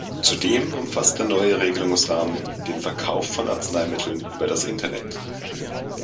Zudem umfasst der neue Regelungsrahmen den Verkauf von Arzneimitteln über das Internet.